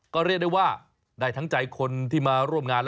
ก็เรียกได้ว่าได้ทั้งใจคนที่มาร่วมงาน